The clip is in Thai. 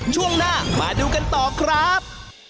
ช่วงหน้ามาดูกันต่อครับ